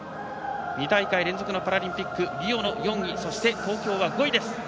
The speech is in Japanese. ２大会連続のパラリンピックリオの４位そして、東京は５位です。